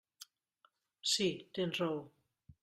Sí, tens raó.